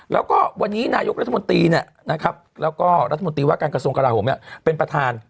แล้วก็วันนี้นายกรัฐมนตร์ตีและการกระทรวงการชมการราห่มเป็นประทาน